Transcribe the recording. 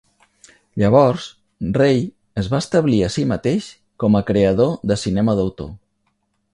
Llavors, Rei es va establir a si mateix com a creador de cinema d'autor.